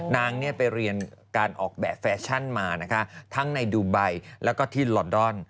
นางไปเรียนการออกแบบแฟชั่นมานะคะทั้งในดูไบแล้วก็ที่ลอนดอน